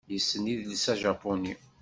Yessen idles ajapuni.